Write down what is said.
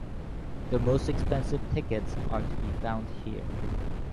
The most expensive tickets are to be found here.